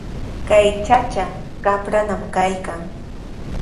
Kay chachaqa qapranami kaykan.